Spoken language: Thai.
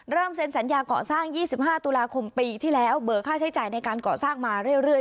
เซ็นสัญญาก่อสร้าง๒๕ตุลาคมปีที่แล้วเบิกค่าใช้จ่ายในการก่อสร้างมาเรื่อย